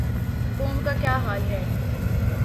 قوم کا کیا حال ہے۔